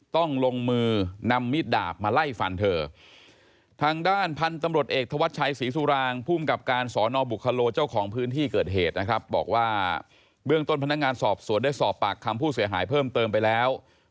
ต้องลงมือนำมิดดาบมาไล่ฟันเธอ